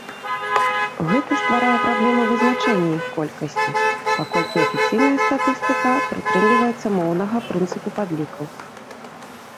Гэта стварае праблему вызначэння іх колькасці, паколькі афіцыйная статыстыка прытрымліваецца моўнага прынцыпу падлікаў.